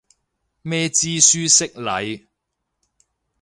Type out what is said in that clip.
咩知書識禮